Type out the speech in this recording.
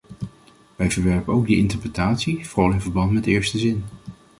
Wij verwerpen ook die interpretatie, vooral in verband met de eerste zin.